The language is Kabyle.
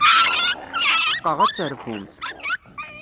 Tḥeqqeɣ ad terfumt.